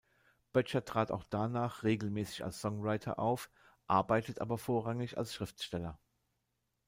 Böttcher trat auch danach regelmäßig als Songwriter auf, arbeitet aber vorrangig als Schriftsteller.